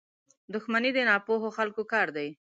• دښمني د ناپوهو خلکو کار دی.